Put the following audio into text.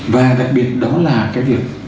và đặc biệt đó là cái việc